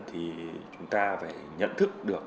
thì chúng ta phải nhận thức được